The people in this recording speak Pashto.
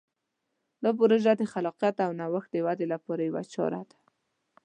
دا پروژه د خلاقیت او نوښت د ودې لپاره یوه چاره ده.